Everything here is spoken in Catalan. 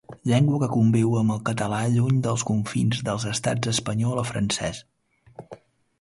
Llengua que conviu amb el català lluny dels confins dels estats espanyol o francès.